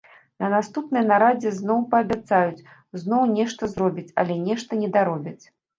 На наступнай нарадзе зноў паабяцаюць, зноў нешта зробяць, але нешта недаробяць.